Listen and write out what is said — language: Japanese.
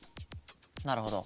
なるほど。